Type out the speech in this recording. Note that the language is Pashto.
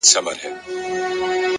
هره ناکامي د پوهې نوې کړکۍ ده,